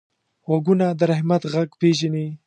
غوږونه د رحمت غږ پېژني